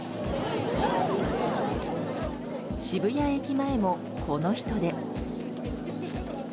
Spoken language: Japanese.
渋谷駅前もこの人出。